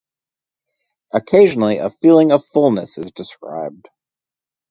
Occasionally a feeling of fullness is described.